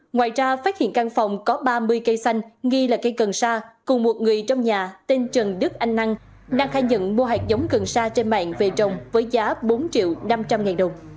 ngoài ra phát hiện căn phòng có ba mươi cây xanh nghi là cây cần sa cùng một người trong nhà tên trần đức anh năng năng khai nhận mua hạt giống cần sa trên mạng về trồng với giá bốn triệu năm trăm linh ngàn đồng